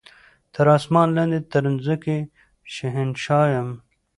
تر اسمان لاندي تر مځکي شهنشاه یم